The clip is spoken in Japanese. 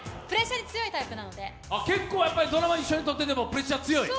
結構ドラマ一緒に撮っててもプレッシャーに強い？